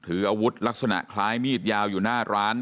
ถืออาวุธลักษณะคล้ายมีดยาวอยู่หน้าร้าน